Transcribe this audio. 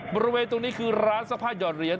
บริเวณตรงนี้คือร้านซักผ้าหยอดเหรียญ